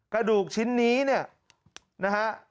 กระดูกชิ้นนี้เนี่ยนะฮะ